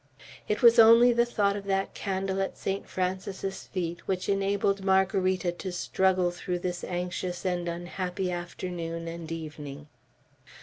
It was only the thought of that candle at Saint Francis's feet, which enabled Margarita to struggle through this anxious and unhappy afternoon and evening.